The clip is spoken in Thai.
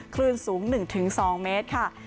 คลื่นสูง๑๒เมตรค่ะ